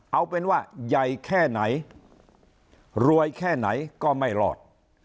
เอาเป็นว่าใหญ่แค่ไหนรวยแค่ไหนก็ไม่รอด